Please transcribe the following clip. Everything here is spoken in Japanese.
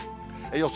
予想